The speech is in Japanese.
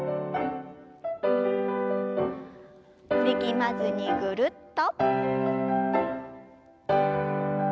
力まずにぐるっと。